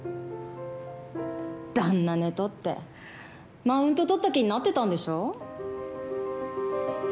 旦那寝取ってマウントとった気になってたんでしょ？